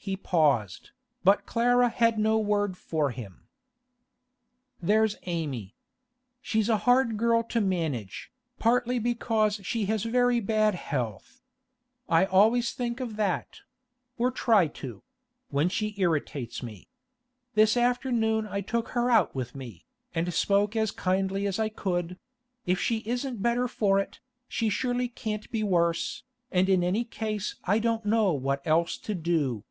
He paused, but Clara had no word for him. 'There's Amy. She's a hard girl to manage, partly because she has very bad health. I always think of that—or try to—when she irritates me. This afternoon I took her out with me, and spoke as kindly as I could; if she isn't better for it, she surely can't be worse, and in any case I don't know what else to do.